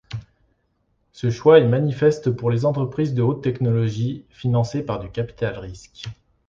Ce choix est manifeste pour les entreprises de haute-technologie, financées par du capital-risque.